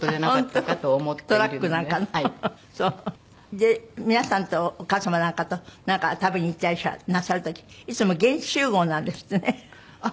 で皆さんとお母様なんかとなんか食べに行ったりなさる時いつも現地集合なんですってね。